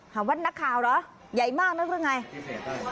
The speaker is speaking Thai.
หาว่านักข่าวเหรอใหญ่มากนั้นหรืออย่างไร